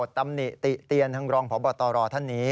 ตำหนิติเตียนทางรองพบตรท่านนี้